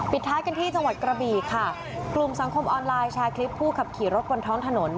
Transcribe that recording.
ท้ายกันที่จังหวัดกระบีค่ะกลุ่มสังคมออนไลน์แชร์คลิปผู้ขับขี่รถบนท้องถนน